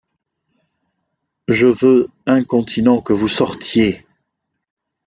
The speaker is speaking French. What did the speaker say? ie veulx incontinent que vous sortiez…